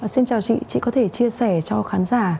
xin chào chị có thể chia sẻ cho khán giả